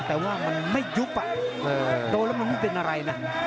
แต่ว่ามันไม่ยุบโดนแล้วมันไม่เป็นอะไรนะ